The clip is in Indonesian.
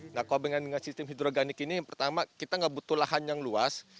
nah kok dengan sistem hidroganik ini pertama kita enggak butuh lahan yang luas